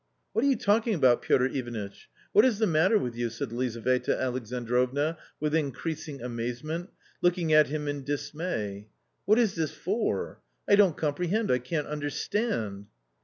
" What are you talking about, Piotr Ivanitch ? What is the matter with you?" said Lizaveta Alexandrovna with increasing amazement, looking at him in dismay ;<( what is this for? I don't comprehend, I can't understand."